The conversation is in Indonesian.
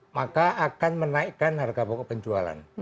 maka akan menaikkan harga pokok penjualan